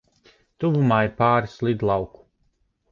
Tuvumā ir pāris lidlauku.